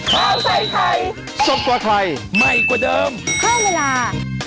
ข้าวใส่ไทยสดกว่าไทยใหม่กว่าเดิมเพิ่มเวลา